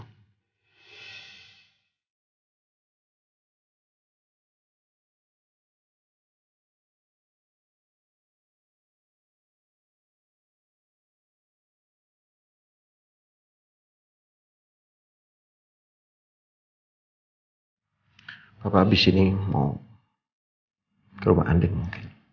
hai hai hai apa habis ini mau hai kerumahan dengan